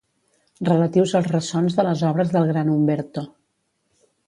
Relatius als ressons de les obres del gran Umberto.